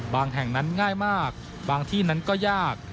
แห่งนั้นง่ายมากบางที่นั้นก็ยาก